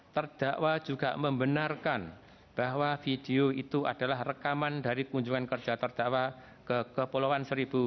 terdakwa juga membenarkan bahwa video itu adalah rekaman dari kunjungan kerja terdakwa ke kepulauan seribu